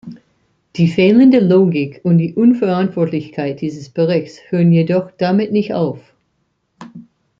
Die fehlende Logik und die Unverantwortlichkeit dieses Berichts hören jedoch damit nicht auf.